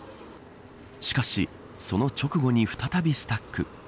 しかしその直後に再びスタック。